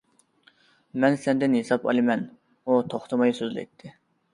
مەن سەندىن ھېساب ئالىمەن.- ئۇ توختىماي سۆزلەيتتى.